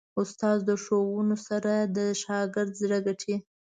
استاد د ښوونو سره د شاګرد زړه ګټي.